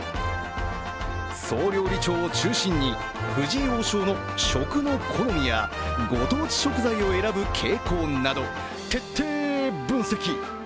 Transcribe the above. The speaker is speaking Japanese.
総料理長を中心に藤井王将の食の好みやご当地食材を選ぶ傾向など徹底分析。